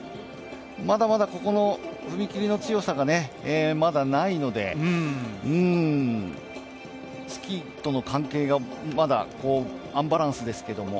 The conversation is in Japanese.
まだまだここの踏切の強さがまだないのでスキーとの関係がまだアンバランスですけれども。